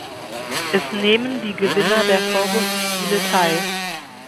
Es nehmen die Gewinner der Vorrundenspiele teil.